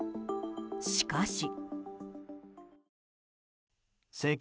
しかし。